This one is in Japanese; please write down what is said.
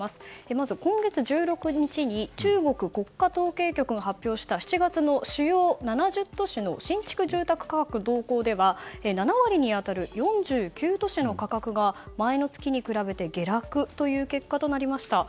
まず、今月１６日に中国国家統計局が発表した７月の主要７０都市の新築住宅価格動向では７割に当たる４９都市の価格が前の月に比べて下落という結果となりました。